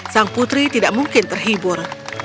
sang putri tidak mungkin terhibur